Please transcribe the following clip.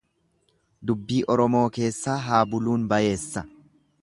Dubbii Oromoo keessaa haa buluun bayeessa.